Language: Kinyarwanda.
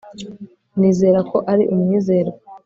nizera ko ari umwizerwa